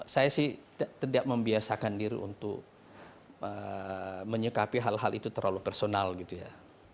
saya sih tidak membiasakan diri untuk menyikapi hal hal itu terlalu personal gitu ya